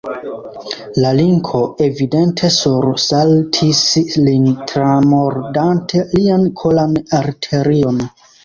La linko evidente sursaltis lin, tramordante lian kolan arterion.